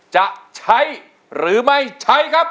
จะใช้หรือไม่ใช้ครับ